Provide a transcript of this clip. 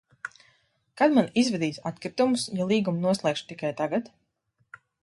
Kad man izvedīs atkritumus, ja līgumu noslēgšu tikai tagad?